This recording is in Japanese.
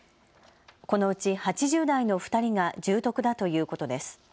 このうち８０代の２人が重篤だということです。